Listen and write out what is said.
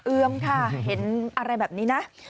เอือมค่ะเห็นอะไรแบบนี้นะ